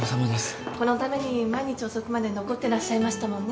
このために毎日遅くまで残ってらっしゃいましたもんね。